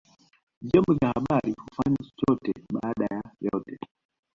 vyombo vya habari hufanya chochote baada ya yote